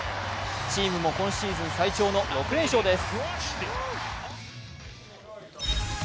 チームも今シーズン最長の６連勝です。